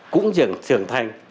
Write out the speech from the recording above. cũng trưởng thành